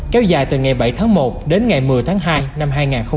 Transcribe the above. kéo dài từ ngày bảy tháng một đến ngày một mươi tháng hai năm hai nghìn hai mươi